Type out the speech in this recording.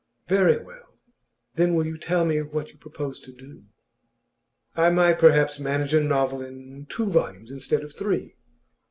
'Very well, then will you tell me what you propose to do?' 'I might perhaps manage a novel in two volumes, instead of three.